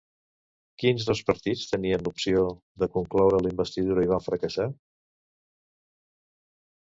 Quins dos partits tenien l'opció de concloure la investidura i van fracassar?